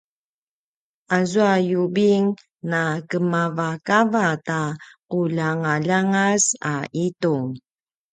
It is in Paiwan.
azua yubing na kemavakava ta quljangaljangas a itung